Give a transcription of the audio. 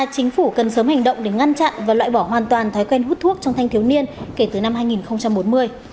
chính phủ cần sớm hành động để ngăn chặn và loại bỏ hoàn toàn thói quen hút thuốc trong thanh thiếu niên kể từ năm hai nghìn bốn mươi